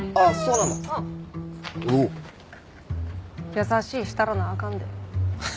優しくしたらなあかんで。